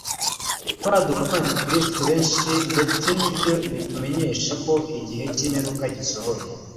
kwaduka ba Antikristo benshi ndetse ni byo bitumenyesha ko igihe cy’imperuka gisohoye.